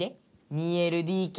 ２ＬＤＫ！